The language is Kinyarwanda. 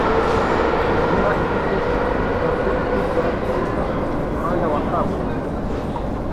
Imbwa ifite cape itukura yiruka mumuhanda wa kaburimbo